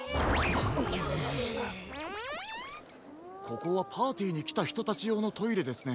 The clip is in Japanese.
ここはパーティーにきたひとたちようのトイレですね。